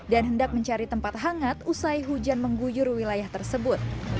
dan hendak mencari tempat hangat usai hujan mengguyur wilayah tersebut